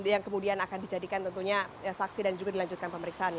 yang kemudian akan dijadikan tentunya saksi dan juga dilanjutkan pemeriksaan